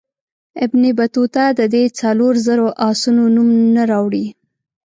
ابن بطوطه د دې څلورو زرو آسونو نوم نه راوړي.